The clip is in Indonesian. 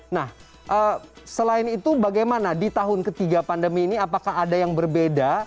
nah selain itu bagaimana di tahun ketiga pandemi ini apakah ada yang berbeda